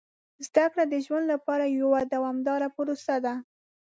زده کړه د ژوند لپاره یوه دوامداره پروسه ده.